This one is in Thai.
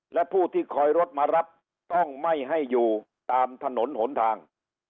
และผู้ที่คอยรถมารับต้องไม่ให้อยู่ตามถนนหนทาง